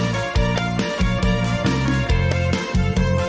สวัสดีค่ะ